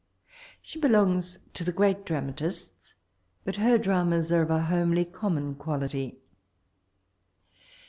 She belones to the great dramatists : but her dramas are of homely common quality.